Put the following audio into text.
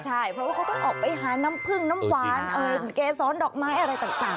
ใช่เพราะว่าเขาต้องออกไปหาน้ำพึ่งน้ำหวานเกษรดอกไม้อะไรต่าง